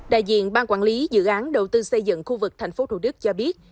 đại diện bang quản lý dự án đầu tư xây dựng khu vực tp hcm cho biết